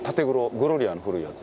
グロリアの古いやつ。